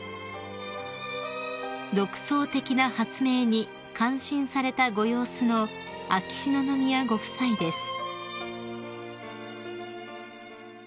［独創的な発明に感心されたご様子の秋篠宮ご夫妻です］